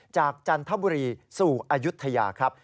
จันทบุรีสู่อายุทยาครับ